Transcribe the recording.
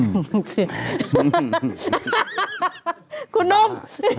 หังคุณนม